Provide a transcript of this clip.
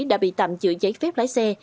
đã bị tạm giữ giấy phép lái xe